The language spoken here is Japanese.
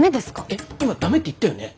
えっ今ダメって言ったよね？